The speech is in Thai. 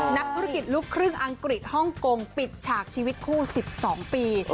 นักธุรกิจลูกครึ่งอังกฤษฮ่องกงปิดฉากชีวิตคู่๑๒ปี